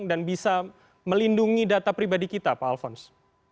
dan bisa melindungi data pribadi kita pak alfons